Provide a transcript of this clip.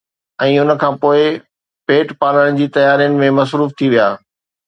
۽ ان کان پوءِ اهي پيٽ پالڻ جي تيارين ۾ مصروف ٿي ويا.